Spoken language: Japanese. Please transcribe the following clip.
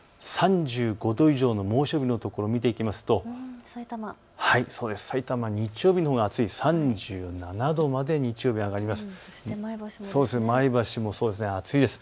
３５度以上の猛暑日のところを見ていきますとさいたま、日曜日のほうが暑い３７度まで日曜日、上がります。